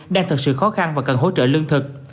đang thực sự khó khăn và cần hỗ trợ lương thực